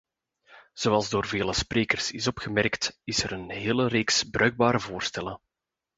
Zoals door vele sprekers is opgemerkt, is er een hele reeks bruikbare voorstellen.